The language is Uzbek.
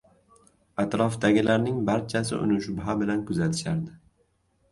Atrofdagilarning barchasi uni shubha bilan kuzatishardi